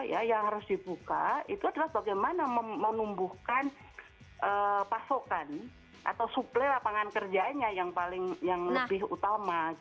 ya yang harus dibuka itu adalah bagaimana menumbuhkan pasokan atau suplai lapangan kerjanya yang lebih utama